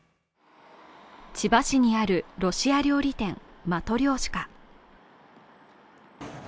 千葉市にあるロシア料理店マトリョーシカ。